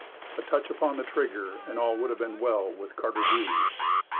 A touch upon the trigger and all would have been well with Carter Druse.